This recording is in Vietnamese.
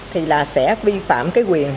thì là sẽ vi phạm cái quyền